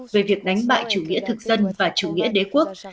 về việc đánh bại chủ nghĩa thực dân và chủ nghĩa đế quốc